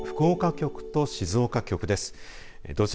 福岡局と静岡局です。